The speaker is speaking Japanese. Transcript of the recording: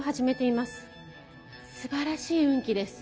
すばらしい運気です。